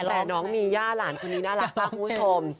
แต่น้องมีย่าหลานคนนี้น่ารักมากคุณผู้ชม